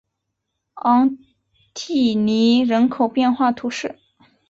昂蒂尼人口变化图示